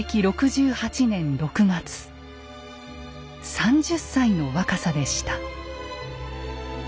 ３０歳の若さでした。